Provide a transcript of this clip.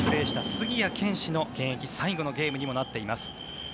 杉谷拳士の現役最後のゲームにもなっています。